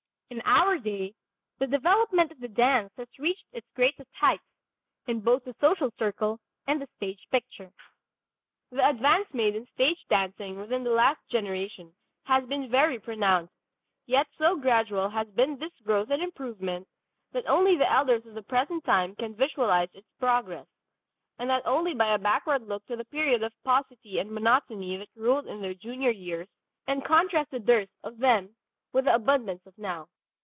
In our day the development of the dance has reached its greatest heights, in both the social circle and the stage picture. The advance made in stage dancing within the last generation has been very pronounced, yet so gradual has been this growth and improvement, that only the elders of the present time can visualize its progress, and that only by a backward look to the period of paucity and monotony that ruled in their junior years, and contrast the dearth of then with the abundance of now.